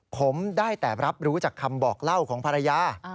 ผมได้แต่รับรู้จากคำบอกเล่าของภรรยา